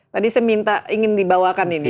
tadi saya minta ingin dibawakan ini